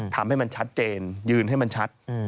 ทำให้มันชัดเจนยืนให้มันชัด